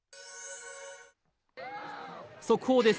速報です。